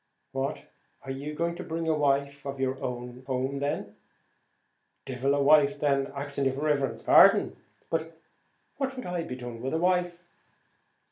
"What! are you going to bring a wife of your own home then?" "Devil a wife, then, axing your riverence's pardon. What'd I be doing with a wife?"